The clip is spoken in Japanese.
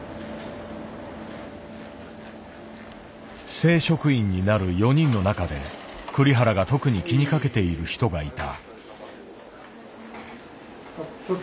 正職員になる４人の中で栗原が特に気にかけている人がいた。